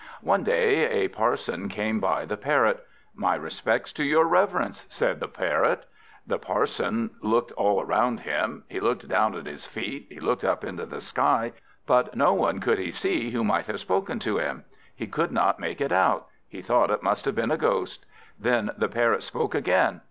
One day a Parson came by the Parrot. "My respects to your Reverence," said the Parrot. The Parson looked all round him, he looked down at his feet, he looked up into the sky; but no one could he see who might have spoken to him. He could not make it out; he thought it must have been a ghost. Then the Parrot spoke again.